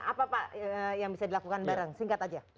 apa yang bisa dilakukan bareng singkat aja